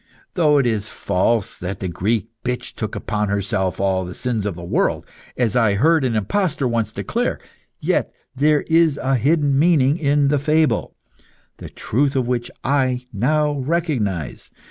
Though it is false that the Greek bitch took upon herself all the sins of the world, as I heard an impostor once declare, yet there is a hidden meaning in the fable, the truth of which I now recognise.